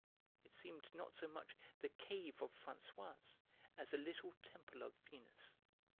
It seemed not so much the cave of Françoise as a little temple of Venus.